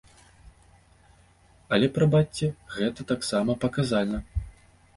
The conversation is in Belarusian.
Але, прабачце, гэта таксама паказальна.